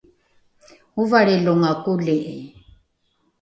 ovalrilonga koli’i